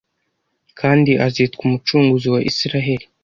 kandi azitwa Umucunguzi wa Isiraheli